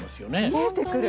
見えてくる。